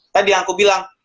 tadi yang aku bilang